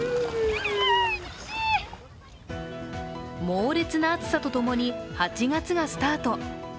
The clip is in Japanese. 猛烈な暑さとともに８月がスタート。